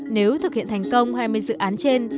nếu thực hiện thành công hai mươi dự án trên